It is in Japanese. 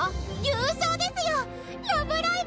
優勝ですよ！